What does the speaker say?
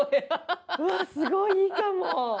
すごいいいかも！